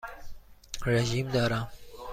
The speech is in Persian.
رژیم دارم.